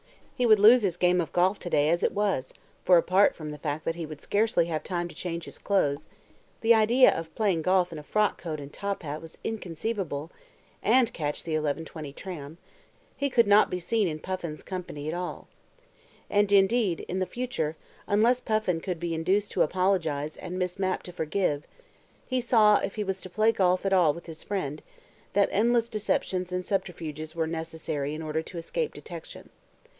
He would lose his game of golf to day as it was, for apart from the fact that he would scarcely have time to change his clothes (the idea of playing golf in a frock coat and top hat was inconceivable) and catch the 11.20 tram, he could not be seen in Puffin's company at all. And, indeed, in the future, unless Puffin could be induced to apologize and Miss Mapp to forgive, he saw, if he was to play golf at all with his friend, that endless deceptions and subterfuges were necessary in order to escape detection.